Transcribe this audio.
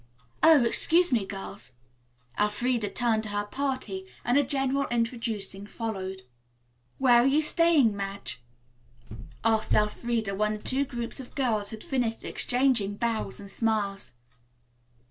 "Oh, excuse me, girls." Elfreda turned to her party and a general introducing followed. "Where are you staying, Madge?" asked Elfreda when the two groups of girls had finished exchanging bows and smiles.